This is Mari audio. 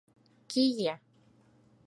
— Кие.